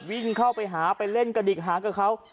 วิ่งเข้าไปหาไปเล่นกระดิกหางกับเขา